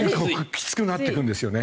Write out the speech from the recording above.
きつくなってくるんですね。